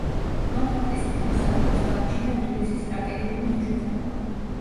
ამ ფაქტის გამო სადგურს გააჩნია უდიდესი სტრატეგიული მნიშვნელობა.